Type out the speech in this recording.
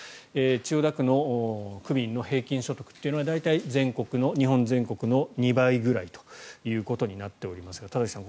千代田区の区民の平均所得というのは大体、日本全国の２倍ぐらいとなっておりますが田崎さん